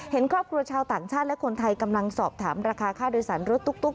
เห็นครอบครัวชาวต่างชาติและคนไทยกำลังสอบถามราคาค่าโดยสารรถตุ๊ก